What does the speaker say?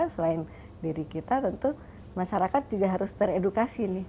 selain diri kita tentu masyarakat juga harus teredukasi nih